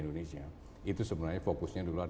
dan itu adalah fokusnya